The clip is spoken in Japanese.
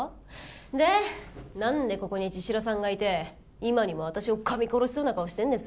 でなんでここに茅代さんがいて今にも私を噛み殺しそうな顔してんです？